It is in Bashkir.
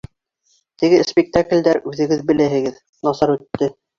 Теге спектаклдәр, үҙегеҙ беләһегеҙ, насар үтте.